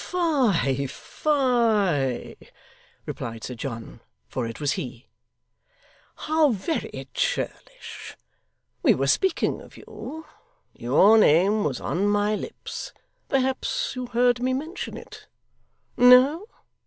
'Fie, fie!' replied Sir John (for it was he), 'how very churlish! We were speaking of you. Your name was on my lips perhaps you heard me mention it? No?